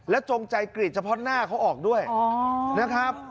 จงใจกรีดเฉพาะหน้าเขาออกด้วยนะครับ